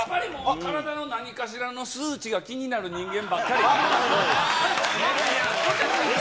体の何かしらの数値が気になる人間ばっかり。